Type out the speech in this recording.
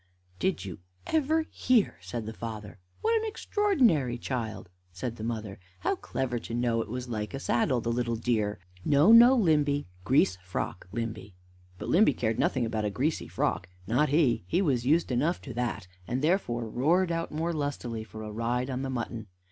"Did you ever hear?" said the father. "What an extraordinary child!" said the mother. "How clever to know it was like a saddle, the little dear! No, no, Limby; grease frock, Limby." But Limby cared nothing about a greasy frock, not he he was used enough to that and therefore roared out more lustily for a ride on the mutton.